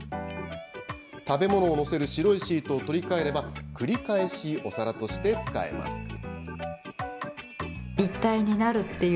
食べ物を載せる白いシートを取り換えれば、繰り返しお皿として使えます。